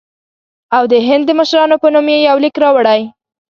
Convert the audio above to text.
او د هند د مشرانو په نوم یې یو لیک راوړی.